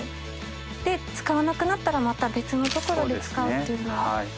使わなくなったらまた別の所で使うというのが。